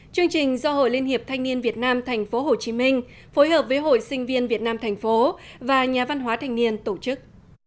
chương trình do hội liên hiệp thanh niên việt nam thành phố hồ chí minh phối hợp với hội sinh viên việt nam thành phố và nhà văn hóa thanh niên tổ chức